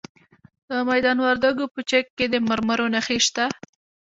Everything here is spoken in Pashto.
د میدان وردګو په چک کې د مرمرو نښې شته.